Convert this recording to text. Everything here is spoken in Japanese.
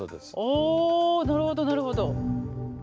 おなるほどなるほど。